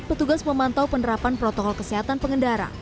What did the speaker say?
petugas memantau penerapan protokol kesehatan pengendara